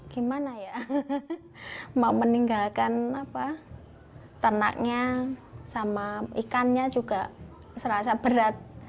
gimana ya mau meninggalkan ternaknya sama ikannya juga serasa berat